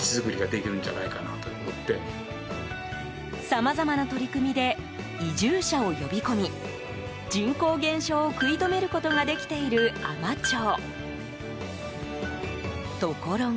さまざまな取り組みで移住者を呼び込み人口減少を食い止めることができている海士町。